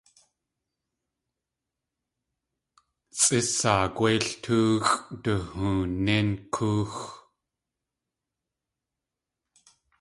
Sʼísaa gwéil tóoxʼ duhoonín kóox.